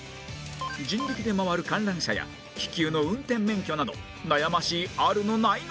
人力でまわる観覧車や気球の運転免許など悩ましいあるの？ないの？